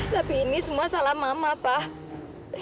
tapi ini semua salah mama pak